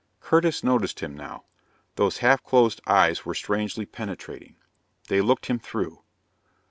Curtis noticed him now. Those half closed eyes were strangely penetrating. They looked him through.